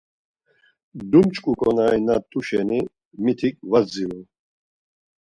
Dumç̌ǩu ǩonari na t̆u şeni mitik var dziru.